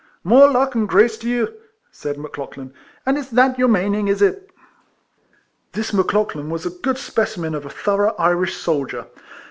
''" More luck and grace to you," said Mc Lauchlan ;" and it's that you're maning, is it?" This Mc Lauchlan was a good specimen of a thorouo^h Irish soldier.